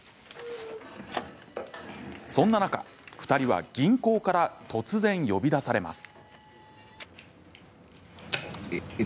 そんな中、２人は銀行から突然呼び出されます。